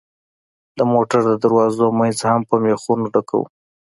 د موټر د دروازو منځ هم په مېخونو ډکوو.